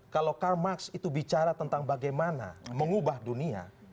kalau karl marx itu bicara tentang bagaimana mengubah dunia